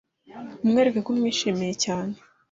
amwereka ko amwishimiye cyane